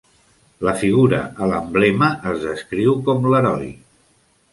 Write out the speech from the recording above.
La figura a l'emblema es descriu com l'"Heroi".